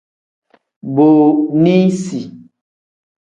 Booniisi.